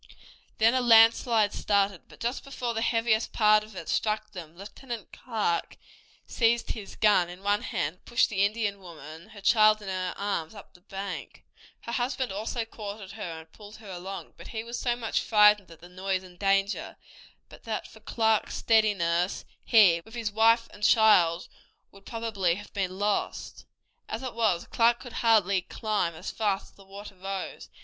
Then a landslide started, but just before the heaviest part of it struck them Lieutenant Clark seized his gun in one hand, and pushed the Indian woman, her child in her arms, up the bank. Her husband also caught at her and pulled her along, but he was so much frightened at the noise and danger that but for Clark's steadiness he, with his wife and child, would probably have been lost. As it was, Clark could hardly climb as fast as the water rose.